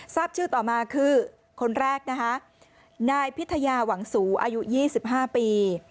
ทราบชื่อต่อมาคือคนแรกนะคะนายพิทยาหวังสูอายุ๒๕ปี